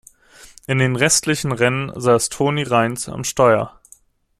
In den restlichen Rennen saß Tony Raines am Steuer.